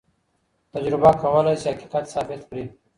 تجربه کولای سي حقيقت ثابت کړي.